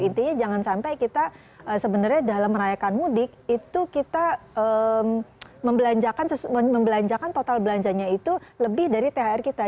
intinya jangan sampai kita sebenarnya dalam merayakan mudik itu kita membelanjakan total belanjanya itu lebih dari thr kita